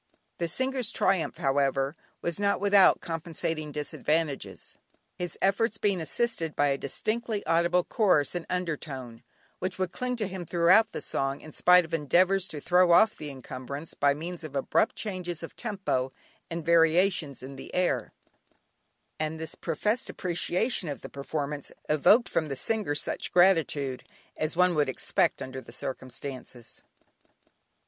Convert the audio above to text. The singer's triumph, however, was not without compensating disadvantages, his efforts being assisted by a distinctly audible chorus in undertone which would cling to him throughout the song in spite of his endeavours to throw off the encumbrance by means of abrupt changes of tempo, and variations in the air; and this professed appreciation of the performance evoked from the singer such gratitude as one would expect under the circumstances.